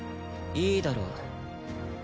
いいだろう。